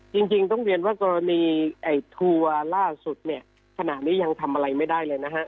จริงต้องเรียนว่ากรณีไอ้ทัวร์ล่าสุดเนี่ยขณะนี้ยังทำอะไรไม่ได้เลยนะฮะ